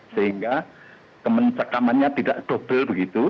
sehingga kemencekamannya tidak double begitu